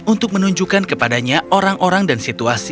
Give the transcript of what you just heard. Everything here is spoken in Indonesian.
untuk menunjukkan kepadanya orang orang dan situasi